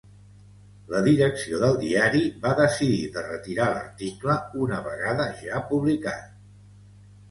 La direcció del diari va decidir de retirar l’article una vegada ja publicat.